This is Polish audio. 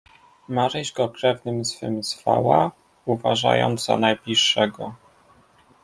"Maryś go krewnym swym zwała, uważając za najbliższego."